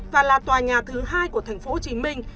và là tòa nhà thứ hai của thành phố hồ chí minh